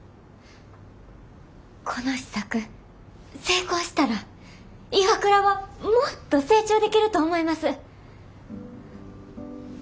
この試作成功したらＩＷＡＫＵＲＡはもっと成長できると思います。